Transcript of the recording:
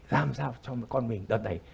làm sao cho con mình đợt này